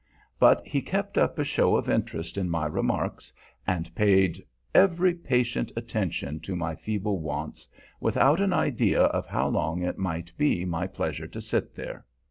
But he kept up a show of interest in my remarks, and paid every patient attention to my feeble wants, without an idea of how long it might be my pleasure to sit there.